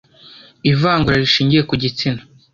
ivangura rishingiye ku gitsina